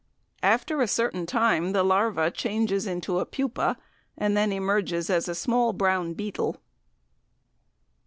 After a certain time the larva changes into a pupa, and then emerges as a small brown beetle.